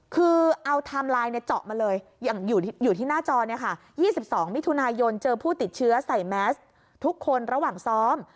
คือเอาไทม์ไลน์เจาะมาเลยอยู่ที่หน้าจอ๒๒มิถุนายนเจอผู้ติดเชื้อใส่แมสทุกคนระหว่างซ้อม